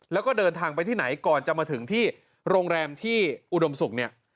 แล้วก็เดินทางไปที่ไหนก่อนจะมาถึงที่โรงแรมที่อุดมศุกร์เนี่ย